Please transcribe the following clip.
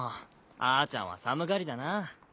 あーちゃんは寒がりだなぁ。